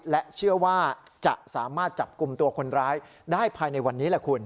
และเชื่อว่าจะสามารถจับกลุ่มตัวคนร้ายได้ภายในวันนี้แหละคุณ